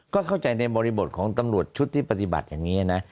ก็เข้าใจในบริบทของตำรวจชุดที่ปฏิบัติอย่างนี้นะ